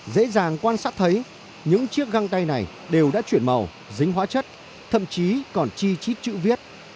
dễ dàng quan sát thấy những chiếc găng tay này đều đã chuyển màu dính hóa chất thậm chí còn chi chít chữ viết